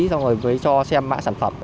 xong rồi mới cho xem mã sản phẩm